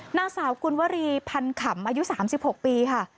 นางสาวกุลวรีพันขำอายุ๓๖ปีค่ะ